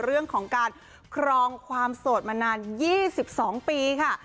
เรื่องของการครองความโสดมานาน๒๒ปีค่ะ